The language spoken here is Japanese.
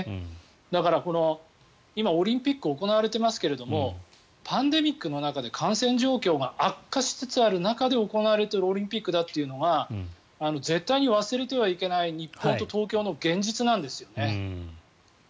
だから今、オリンピックが行われていますけれどもパンデミックの中で感染状況が悪化しつつある中で行われているオリンピックというのは絶対に忘れてはいけない日本と東京の現実なんですよね。